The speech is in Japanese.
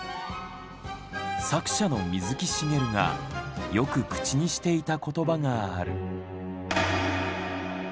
作者の水木しげるがよく口にしていた言葉がある。